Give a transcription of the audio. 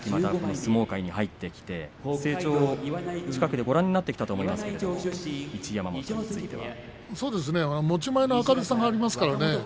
相撲界に入ってきて成長をご覧になってきたと思いますが、一山本については。持ち前の明るさがありますからね。